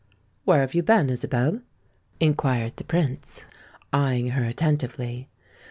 "Where have you been, Isabel?" inquired the Prince, eyeing her attentively.